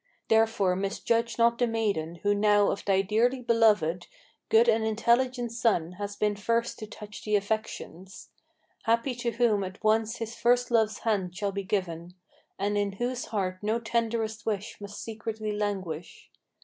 Therefore misjudge not the maiden who now of thy dearly beloved, Good and intelligent son has been first to touch the affections: Happy to whom at once his first love's hand shall be given, And in whose heart no tenderest wish must secretly languish.